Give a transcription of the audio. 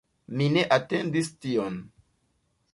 Mi ne atendis tion